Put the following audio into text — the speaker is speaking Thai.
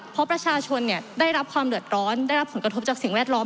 เพราะประชาชนได้รับความเดือดร้อนได้รับผลกระทบจากสิ่งแวดล้อม